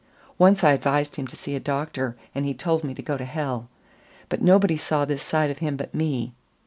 Once I advised him to see a doctor, and he told me to go to hell. But nobody saw this side of him but me.